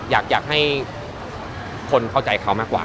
อยากให้คนเข้าใจเขามากกว่า